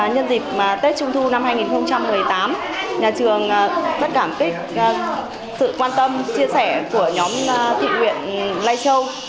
nhân dịp tết trung thu năm hai nghìn một mươi tám nhà trường rất cảm kích sự quan tâm chia sẻ của nhóm thị nguyện lai châu